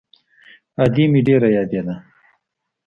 ادې مې ډېره يادېده.